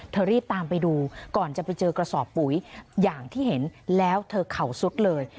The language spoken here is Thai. รีบตามไปดูก่อนจะไปเจอกระสอบปุ๋ยอย่างที่เห็นแล้วเธอเข่าสุดเลย